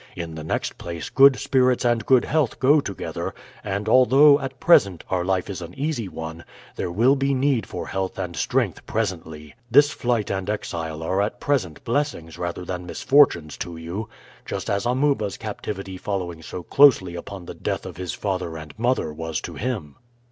In the next place, good spirits and good health go together; and although, at present, our life is an easy one, there will be need for health and strength presently. This flight and exile are at present blessings rather than misfortunes to you. Just as Amuba's captivity following so closely upon the death of his father and mother was to him."